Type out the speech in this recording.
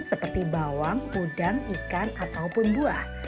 seperti bawang udang ikan ataupun buah